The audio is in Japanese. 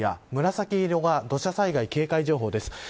紫色が土砂災害警戒情報です。